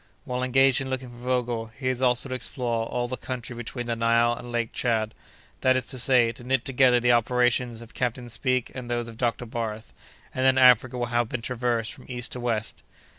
While engaged in looking for Vogel, he is also to explore all the country between the Nile and Lake Tchad, that is to say, to knit together the operations of Captain Speke and those of Dr. Barth, and then Africa will have been traversed from east to west."